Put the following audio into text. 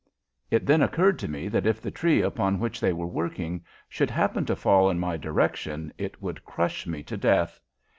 It then occurred to me that if the tree upon which they were working should happen to fall in my direction it would crush me to death!